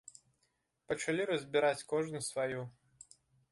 Пачалі разбіраць кожны сваю.